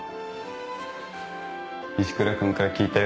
石倉君から聞いたよ。